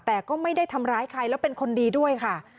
แต่ก็ไม่ได้ทำร้ายใครแล้วเป็นคนดีด้วยค่ะ